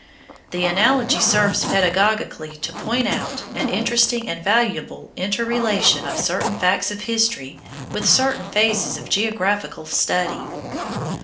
The analogy serves pedagogically to point out an interesting and valuable interrelation of certain facts of history with certain phases of geographical study.